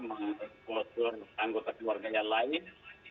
dan juga ada keputusan anggota keluarganya lain